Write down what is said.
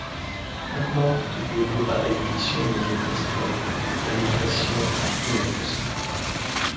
On porte de l'eau à ébullition dans une casserole à une pression d'une atmosphère.